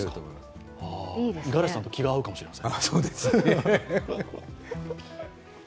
五十嵐さんと気があうかもしれません。